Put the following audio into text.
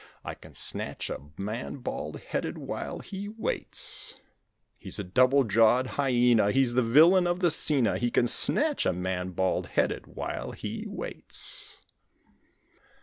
I can snatch a man bald headed while he waits. He's a double jawed hyena! He's the villain of the scena! He can snatch a man bald headed while he waits.